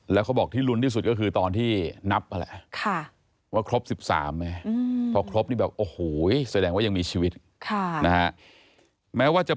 และก็มีความสงสัยที่ไม่แน่นอน